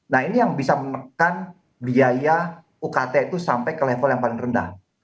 nah ini yang bisa menekan biaya ukt itu sampai ke level yang paling rendah